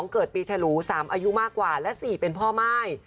เกิดปีฉลู๓อายุมากกว่าและ๔เป็นพ่อม่าย